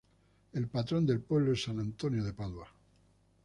El patrón del pueblo es San Antonio de Padua.